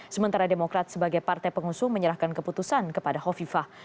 sementara demokrat sebagai partai pengusuh menyerahkan keputusan kepada khofifah